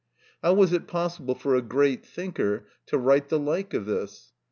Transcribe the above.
How was it possible for a great thinker to write the like of this!